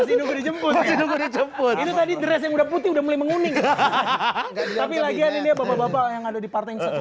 ini tadi dress yang udah putih udah mulai menguning hahaha tapi lagi ada di partai